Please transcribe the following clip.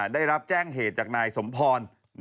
ได้รับแจ้งเหตุจากนายสมพร